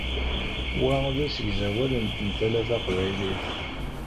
Wa d asegzawal n tentala taqbaylit.